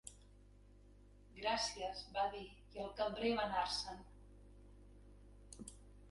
"Gràcies" va dir i el cambrer va anar-se'n.